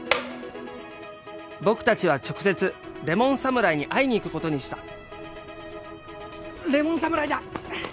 僕たちは直接レモン侍に会いに行くことにしたレモン侍だ。